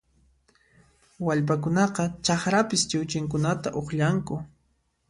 Wallpakunaqa chakrapis chiwchinkunata uqllanku